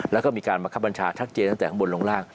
แล้วก็มีการบังคับบัญชาชัดเจนตั้งแต่ข้างบนลงล่าง